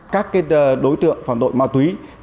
các đối tượng phản đội ma túy